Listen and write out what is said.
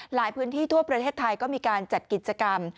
หลายพื้นที่ทั่วประเทศไทยก็มีการจัดกิจกรรม